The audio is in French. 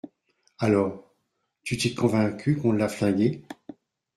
Alors ? Tu t’es convaincu qu’on l’a flingué ?